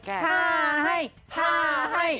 ท่าให้ท่าให้